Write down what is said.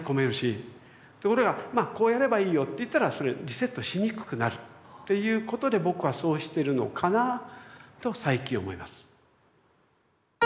ところが「まあこうやればいいよ」って言ったらリセットしにくくなるっていうことで僕はそうしてるのかなぁと最近思います。